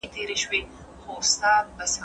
زه سبا ته فکر کړی دی